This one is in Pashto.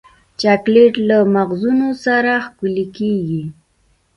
چاکلېټ له مغزونو سره ښکلی کېږي.